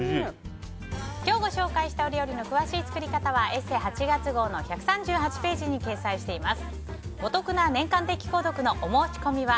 今日ご紹介した料理の詳しい作り方は「ＥＳＳＥ」８月号の１３８ページに掲載しています。